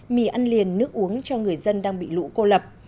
mì ăn liền nước uống cho người dân đang bị lũ cô lập